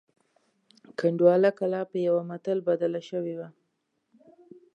کنډواله کلا په یوه متل بدله شوې وه.